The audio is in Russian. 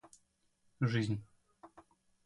жизнь